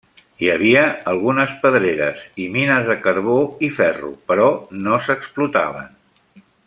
Hi havia algunes pedreres i mines de carbó i ferro, però no s'explotaven.